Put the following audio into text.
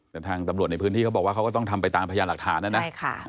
แต่ทางตำรวจในพื้นที่เขาบอกว่าเขาก็ต้องทำไปตามพยานหลักฐานนะนะใช่ค่ะ